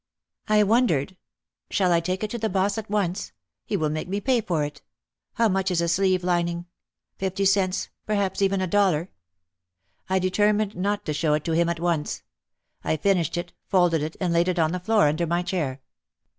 I wondered : "Shall I take it to the boss at once ? He will make me pay for it. How much is a sleeve lining? Fifty cents, perhaps even a dollar." I deter mined not to show it to him at once. I finished it, folded it and laid it on the floor under my chair.